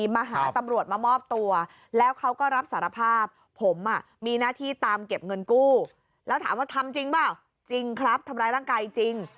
แล้วถามว่าทำจริงหรือเปล่าจริงครับทำร้ายร่างกายจริง